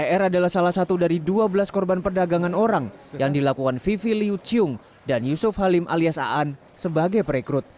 er adalah salah satu dari dua belas korban perdagangan orang yang dilakukan vivi liu ciung dan yusuf halim alias aan sebagai perekrut